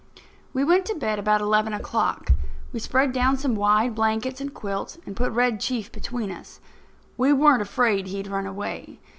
We went to bed about eleven o'clock. We spread down some wide blankets and quilts and put Red Chief between us. We weren't afraid he'd run away.